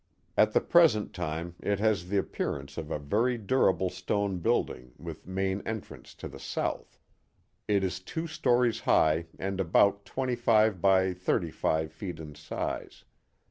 At the present lime it has the appearance of a very dura ble stone building with main entrance to the south. It is two stories high and about twenty five by thirty five feet in size.